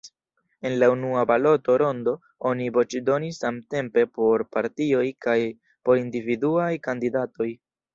En la unua baloto-rondo oni voĉdonis samtempe por partioj kaj por individuaj kandidatoj.